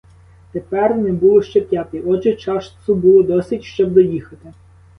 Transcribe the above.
Тепер не було ще п'ятої, отже, часу було досить, щоб доїхати.